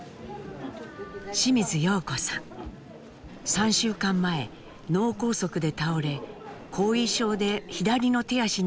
３週間前脳梗塞で倒れ後遺症で左の手足にまひが残ります。